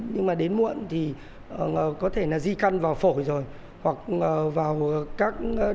nhưng mà đến muộn thì có thể là di căn vào phổi rồi hoặc vào các động mạch cảnh tĩnh mạch cảnh